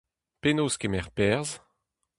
Penaos kemer perzh ?